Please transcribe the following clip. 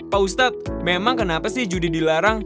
pak ustadz memang kenapa sih judi dilarang